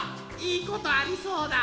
「いいことありそうだ！」。